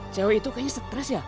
cewek itu kayaknya stres ya